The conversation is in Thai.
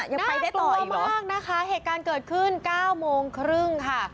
ยังไปได้ต่ออีกเหรอน่ากลัวมากนะคะเหตุการณ์เกิดขึ้น๙โมงครึ่งค่ะ